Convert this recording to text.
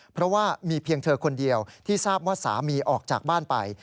เพราะว่ามีเพียงเธอคนเดียวที่ทราบว่าสามีออกจากบ้านไป